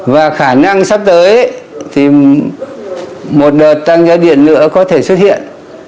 và khả năng sắp tới thì một đợt tăng giá điện nữa có thể xuất hiện